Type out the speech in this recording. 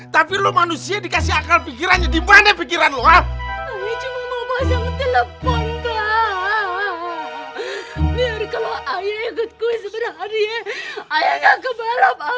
tapi bukan begitu caranya